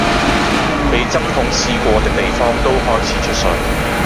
被針筒刺過的地方都開始出水